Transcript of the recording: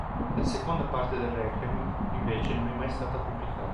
La seconda parte del requiem invece non è mai stata pubblicata.